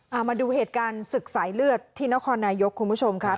เอามาดูเหตุการณ์ศึกสายเลือดที่นครนายกคุณผู้ชมครับ